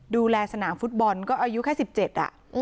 ดูแลสนามฟุตบอลก็อายุแค่๑๗อ่ะ